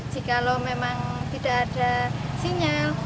jika lo memang tidak ada sinyal